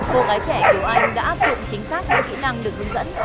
cô gái trẻ kiều anh đã áp dụng chính xác những kỹ năng được hướng dẫn